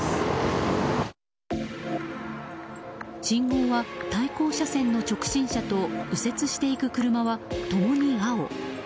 信号は、対向車線の直進車と右折していく車は共に青。